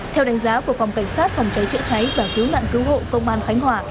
theo đánh giá của phòng cảnh sát phòng cháy chữa cháy và cứu nạn cứu hộ công an khánh hòa